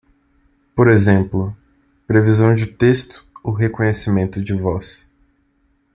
Por exemplo, previsão de texto ou reconhecimento de voz.